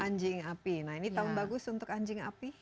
anjing api nah ini tahun bagus untuk anjing api